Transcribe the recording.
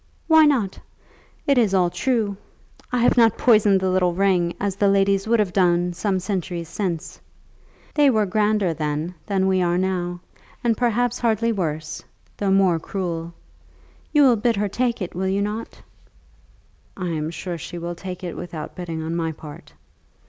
"Why not? It is all true. I have not poisoned the little ring, as the ladies would have done some centuries since. They were grander then than we are now, and perhaps hardly worse, though more cruel. You will bid her take it, will you not?" "I am sure she will take it without bidding on my part."